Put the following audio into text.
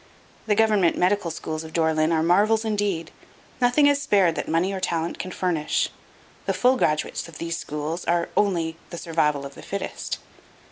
The government medical schools of Dore lyn are marvels indeed. Nothing is spared that money or talent can furnish. The full graduates of these schools are only "the survival of the fittest."